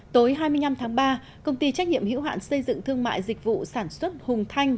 tối hai mươi năm tháng ba công ty trách nhiệm hiểu hạn xây dựng thương mại dịch vụ sản xuất hùng thanh